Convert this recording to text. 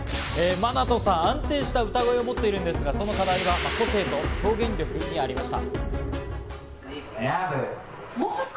マナトさん、安定した歌声を持っているんですが、その課題は個性と表現力にありました。